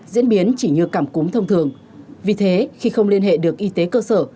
diễn biến chỉ như cảm cúm thông thường vì thế khi không liên hệ được y tế cơ sở